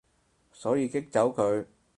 所以激走佢